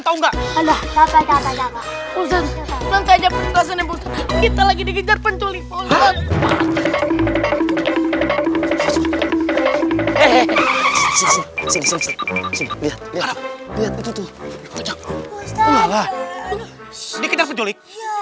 tahu nggak ada apa apa usah saja kita lagi dikejar penculik